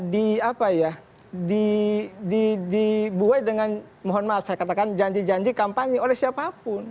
di apa ya dibuai dengan mohon maaf saya katakan janji janji kampanye oleh siapapun